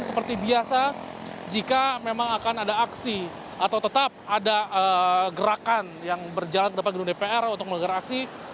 seperti biasa jika memang akan ada aksi atau tetap ada gerakan yang berjalan ke depan gedung dpr untuk menggelar aksi